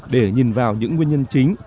để nhìn vào những nguyên nhân chính